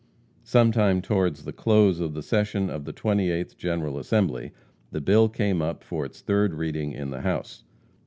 Sometime towards the close of the session of the 28th General Assembly, the bill came up for its third reading in the House.